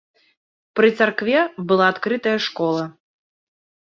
Пры царкве была адкрытая школа.